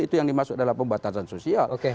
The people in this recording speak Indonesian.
itu yang dimaksud dalam pembatasan sosial oke